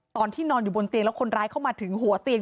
ตอนที่นอนอยู่บนเตียงแล้วคนร้ายเข้ามาถึงหัวเตียง